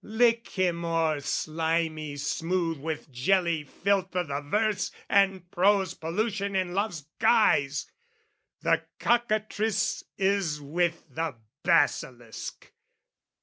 Lick him o'er slimy smooth with jelly filth O' the verse and prose pollution in love's guise! The cockatrice is with the basilisk!